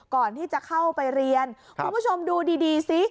ก่อนที่จะเข้าไปเรียนคุณผู้ชมดูดีซิ